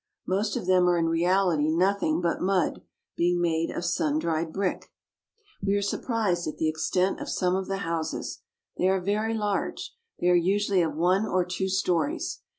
Most of them are in reality nothing but mud, being made of sun dried brick. LIMA. 6l We are surprised at the extent of some of the houses. They are very large. They are usually of one or two stories.